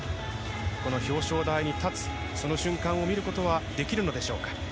この表彰台に立つその瞬間を見ることはできるのでしょうか。